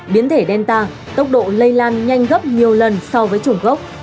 biến thể delta tốc độ lây lan nhanh gấp nhiều lần so với chủng gốc